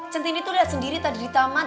centini tuh lihat sendiri tadi di tamat